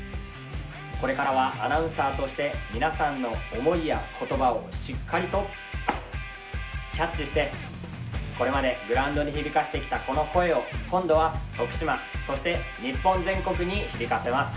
これからはアナウンサーとして皆さんの思いやことばをしっかりとキャッチしてこれまでグラウンドに響かせてきたこの声を今度は、徳島そして日本全国に響かせます。